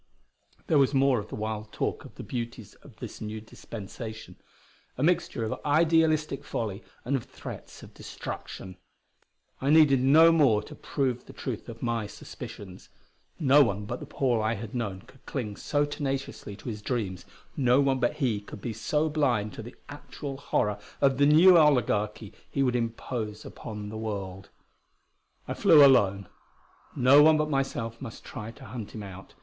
There was more of the wild talk of the beauties of this new dispensation a mixture of idealistic folly and of threats of destruction. I needed no more to prove the truth of my suspicions. No one but the Paul I had known could cling so tenaciously to his dreams; no one but he could be so blind to the actual horror of the new oligarchy he would impose upon the world. I flew alone; no one but myself must try to hunt him out.